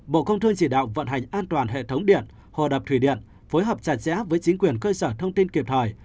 bộ công thương chỉ đạo vận hành an toàn hệ thống điện hồ đập thủy điện phối hợp chặt chẽ với chính quyền cơ sở thông tin kịp thời